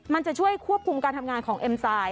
มันจะช่วยควบคุมการทำงานของเอ็มไซด